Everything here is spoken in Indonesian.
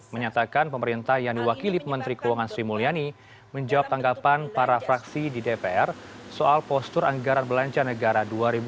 menyatakan pemerintah yang diwakili menteri keuangan sri mulyani menjawab tanggapan para fraksi di dpr soal postur anggaran belanja negara dua ribu dua puluh